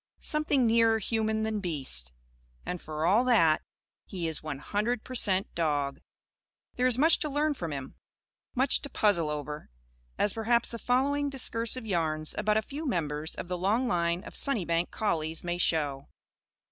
Something nearer human than beast. And, for all that, he is one hundred per cent dog. There is much to learn from him; much to puzzle over; as perhaps the following discursive yarns about a few members of the long line of Sunnybank collies may show.